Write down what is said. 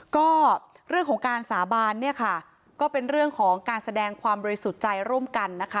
ก็เรื่องของการสาบานเนี่ยค่ะก็เป็นเรื่องของการแสดงความบริสุทธิ์ใจร่วมกันนะคะ